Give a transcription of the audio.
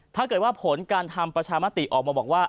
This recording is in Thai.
ถ้าเกิดว่าผลการทำประชามติออกมาบอกว่า